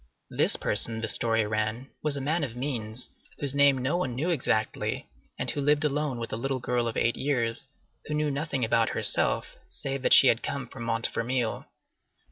This person, the story ran, was a man of means, whose name no one knew exactly, and who lived alone with a little girl of eight years, who knew nothing about herself, save that she had come from Montfermeil.